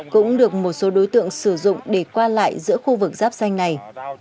cũng được một số đối tượng sử dụng để qua lại giữa khu vực giáp xanh này